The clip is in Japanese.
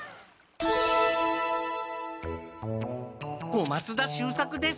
小松田秀作です。